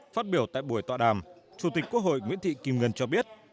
phát biểu tại buổi tọa đàm chủ tịch quốc hội nguyễn thị kim ngân cho biết